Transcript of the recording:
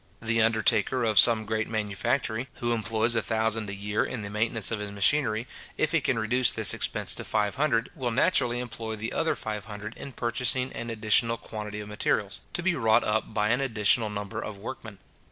The undertaker of some great manufactory, who employs a thousand a year in the maintenance of his machinery, if he can reduce this expense to five hundred, will naturally employ the other five hundred in purchasing an additional quantity of materials, to be wrought up by an additional number of workmen.